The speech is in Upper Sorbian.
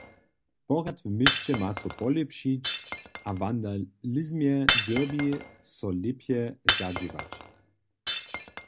Porjad w měsće ma so polěpšić a wandalizmej dyrbi so lěpje zadźěwać.